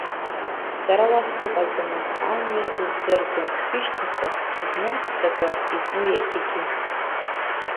Сара уа сыҟамызт, амҩа сыздырӡом, шәышьҭақәа знымҵӡакәа изну иахьагьы.